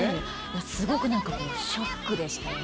すごくショックでしたよね